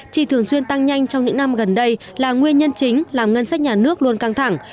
chỉ thường xuyên tăng nhanh trong những năm gần đây là nguyên nhân chính làm ngân sách nhà nước luôn căng thẳng